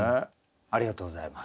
ありがとうございます。